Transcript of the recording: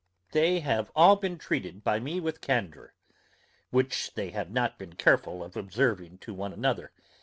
They have all been treated by me with candour, which they have not been careful of observing to one another.